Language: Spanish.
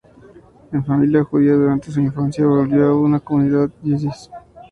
De familia judía, durante su infancia vivió en una comunidad Yiddish.